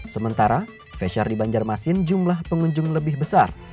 sementara feshare di banjarmasin jumlah pengunjung lebih besar